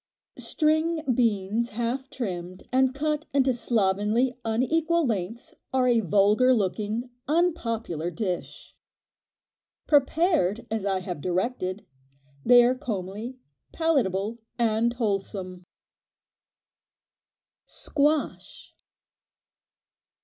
String beans half trimmed and cut into slovenly, unequal lengths are a vulgar looking, unpopular dish. Prepared as I have directed, they are comely, palatable and wholesome. Squash.